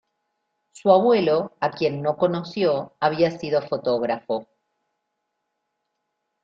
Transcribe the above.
Su abuelo, a quien no conoció, había sido fotógrafo.